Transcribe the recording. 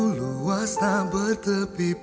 aku akan mencari kamu